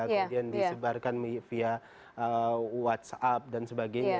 kemudian disebarkan via whatsapp dan sebagainya